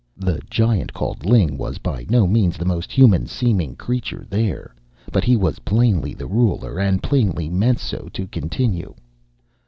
The giant called Ling was by no means the most human seeming creature there, but he was plainly the ruler and plainly meant so to continue.